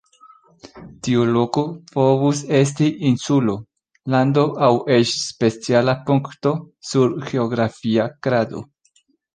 Tiu loko povus esti insulo, lando aŭ eĉ speciala punkto sur geografia krado.